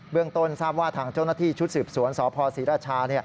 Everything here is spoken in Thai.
ต้นทราบว่าทางเจ้าหน้าที่ชุดสืบสวนสพศรีราชา